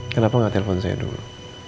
kenapa gak telpon saya dulu